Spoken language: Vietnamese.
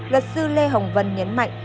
luật sư lê hồng vân nhấn mạnh